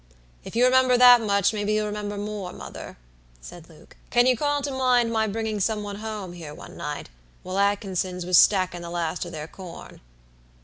"If you remember that much, maybe you'll remember more, mother," said Luke. "Can you call to mind my bringing some one home here one night, while Atkinsons was stackin' the last o' their corn?"